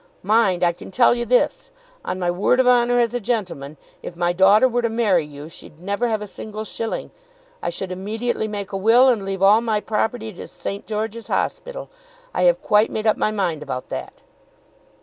Mind, I can tell you this. On my word of honour as a gentleman, if my daughter were to marry you, she'd never have a single shilling. I should immediately make a will and leave all my property to St. George's Hospital. I have quite made up my mind about that."